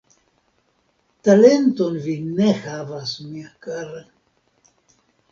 Talenton vi ne havas, mia kara!